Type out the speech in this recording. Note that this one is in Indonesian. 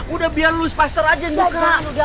udah biar louis pasteur aja yang buka